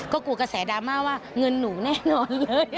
ก็กลัวกระแสดราม่าว่าเงินหนูแน่นอนเยอะ